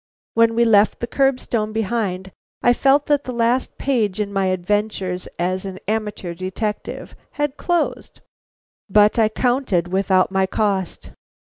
When we left the curb stone behind, I felt that the last page in my adventures as an amateur detective had closed. But I counted without my cost.